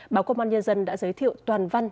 báo công an nhân dân đã giới thiệu toàn văn